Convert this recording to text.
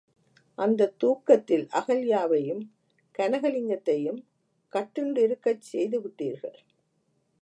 அந்தத் தூக்கத்தில் அகல்யாவையும் கனகலிங்கத்தையும் கட்டுண்டிருக்கச் செய்துவிட்டீர்கள்.